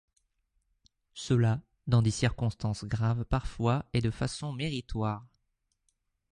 Cela, dans des circonstances graves parfois et de façon méritoire.